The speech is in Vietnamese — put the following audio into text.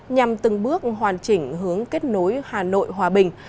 nhằm từng bước hoàn chỉnh hướng kết nối hà nội hòa bình